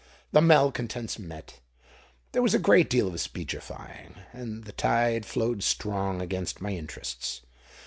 The malcontents met; there was a great deal of speechifying; and the tide flowed strong against my interests.